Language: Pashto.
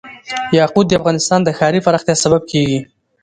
یاقوت د افغانستان د ښاري پراختیا سبب کېږي.